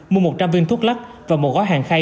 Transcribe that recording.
mua một trăm linh viên thuốc lắc và một gói hàng khay